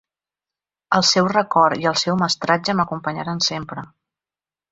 El seu record i el seu mestratge m'acompanyaran sempre.